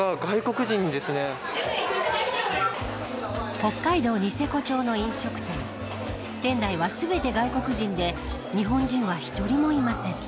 北海道ニセコ町の飲食店店内は全て外国人で日本人は１人もいません。